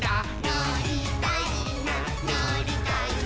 「のりたいなのりたいな」